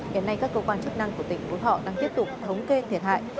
hiện nay các cơ quan chức năng của tỉnh phú thọ đang tiếp tục thống kê thiệt hại